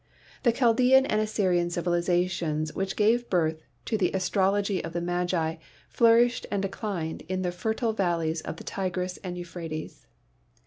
The Chaldean and Assyrian civilizations which gave birth to the astrology of the Magi flourished and declined . in the fertile valleys of the Tigris and Euphrates.